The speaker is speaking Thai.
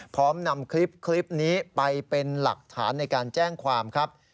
พร้อมนำคลิปนี้ไปเป็นหลักฐานในการแจ้งความครับ